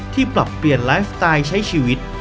ปรับเปลี่ยนไลฟ์สไตล์ใช้ชีวิต